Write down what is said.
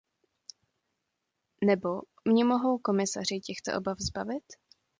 Nebo mě mohou komisaři těchto obav zbavit?